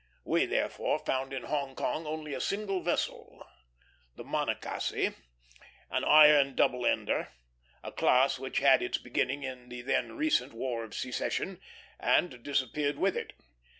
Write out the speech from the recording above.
We therefore found in Hong Kong only a single vessel, the Monocacy, an iron double ender; a class which had its beginning in the then recent War of Secession, and disappeared with it.